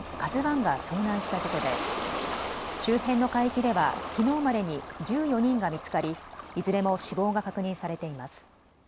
ＫＡＺＵＩが遭難した事故で周辺の海域ではきのうまでに１４人が見つかりいずれも死亡が確認されています。